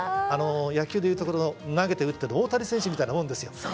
あの野球で言うところの投げて打っての大谷選手みたいなもんですよ。